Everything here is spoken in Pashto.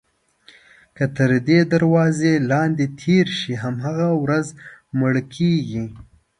که تر دې دروازې لاندې تېر شي هماغه ورځ مړ کېږي.